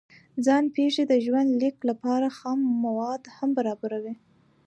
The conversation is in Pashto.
ځان پېښې د ژوند لیک لپاره خام مواد هم برابروي.